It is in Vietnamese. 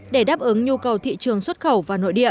để đáp ứng nhu cầu thị trường xuất khẩu và nội địa